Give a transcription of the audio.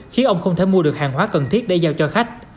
khiến ông không thể mua được hàng hóa cần thiết để giao cho khách